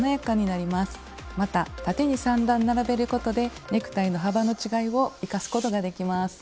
また縦に３段並べることでネクタイの幅の違いを生かすことができます。